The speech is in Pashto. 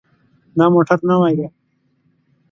دا موټر نوی دی.